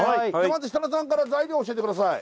まず設楽さんから材料教えてください